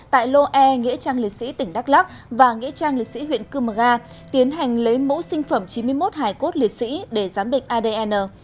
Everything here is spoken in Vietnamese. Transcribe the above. tại lô e nghĩa trang liệt sĩ tỉnh đắk lắc và nghĩa trang liệt sĩ huyện cư mờ ga tiến hành lấy mẫu sinh phẩm chín mươi một hải cốt liệt sĩ để giám định adn